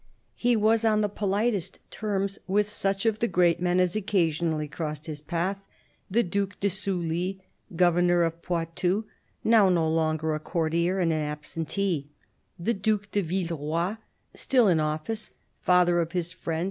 He was on the politest terms with such of tiie ^great men as occasionally crossed his path : the Due de Sully, governor of Poitou, now no longer a courtier and an absentee ; the Due de Villeroy, still in office, father of his friend M.